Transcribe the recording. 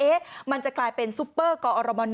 เอ๊ะมันจะกลายเป็นสุปเปอร์กร